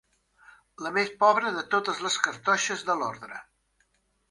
La més pobra de totes les cartoixes de l'orde.